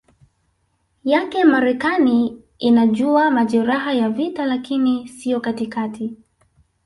yake Marekani inajua majeraha ya vita lakini sio katikati